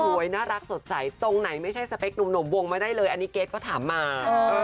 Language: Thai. น่ารักสดใสตรงไหนไม่ใช่สเปคหนุ่มวงไม่ได้เลยอันนี้เกรทก็ถามมา